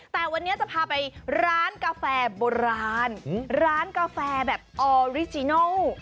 แต่วันนี้จะพาไปร้านกาแฟโบราณร้านกาแฟแบบออริจินัล